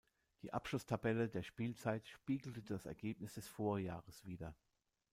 Die Abschlusstabelle der Spielzeit spiegelte das Ergebnis des Vorjahres wider.